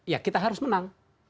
ya kita harus menang